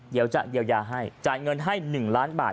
เดี๋ยวจะเยียวยาให้จ่ายเงินให้๑ล้านบาท